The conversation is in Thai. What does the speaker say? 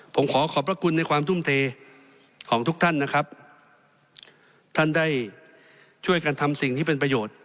ผมขอขอบพระคุณในความทุ่มเทของทุกท่านนะครับท่านได้ช่วยกันทำสิ่งที่เป็นประโยชน์